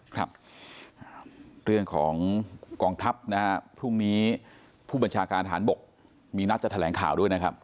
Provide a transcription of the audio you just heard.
ครับเรื่องของกองทัพนะฮะพรุ่งนี้ผู้บัญชาการฐานบกมีนัดจะแถลงข่าวด้วยนะครับ